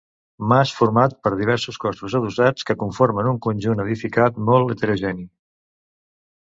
Mas format per diversos cossos adossats que conformen un conjunt edificat molt heterogeni.